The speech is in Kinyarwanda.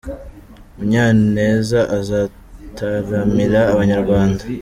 munyaneza azataramira Abanyarwanda